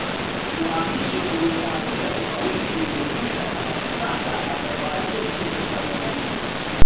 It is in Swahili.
Uhamisho uliofahamika toka wiki iliyopita ambapo sasa atavaa jezi za klabu nyingine